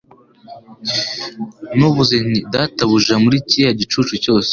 Navuze nti Databuja muri kiriya gicucu cyose